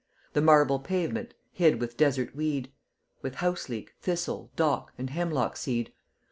The marble pavement hid with desert weed, With houseleek, thistle, dock, and hemlock seed.